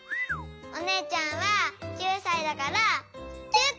おねえちゃんは９さいだから９こ！